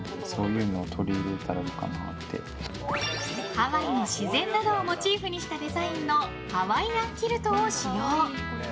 ハワイの自然などをモチーフにしたデザインのハワイアンキルトを使用。